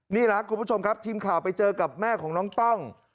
นี่แหละครับคุณผู้ชมครับทีมข่าวไปเจอกับแม่ของน้องต้อง